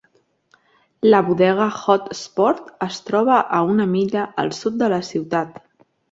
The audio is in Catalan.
La bodega Hoodsport es troba a una milla al sud de la ciutat.